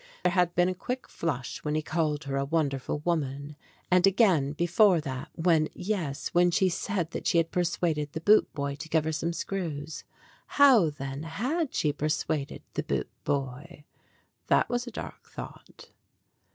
There had been a quick flush when he called her a wonderful woman, and again before that when yes, when she said that she had persuaded the boot boy to give her some screws. How, then, had she persuaded the boot boy? That was a dark thought.